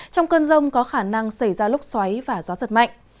trong cơn rông có khả năng xảy ra lốc xoáy và gió giật mạnh